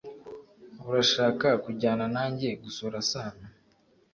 Urashaka kujyana nanjye gusura Sano?